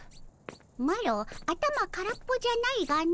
マロ頭空っぽじゃないがの。